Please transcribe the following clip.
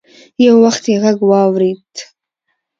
يو وخت يې غږ واورېد.